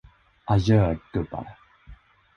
Adjö, gubbar!